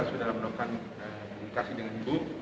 sudah melakukan komunikasi dengan ibu